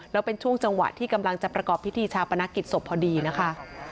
แล้วเป็นช่วงจังหวะที่กำลังจะประกอบพิธีชาปนกิจศพพอดีนะคะ